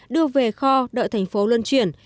đưa về kho đợi thành phố luân chuyển